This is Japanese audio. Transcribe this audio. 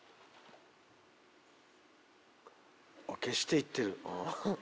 消して行ってる。